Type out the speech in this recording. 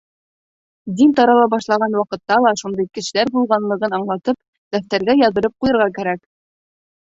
Дин тарала башлаған ваҡытта ла шундай кешеләр булғанлығын аңлатып, дәфтәргә яҙҙырып ҡуйырға кәрәк.